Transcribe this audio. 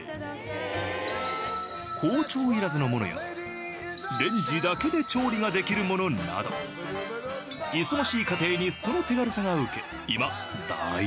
包丁いらずのものやレンジだけで調理ができるものなど忙しい家庭にその手軽さが受け今大人気！